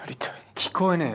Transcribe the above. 聞こえねぇよ。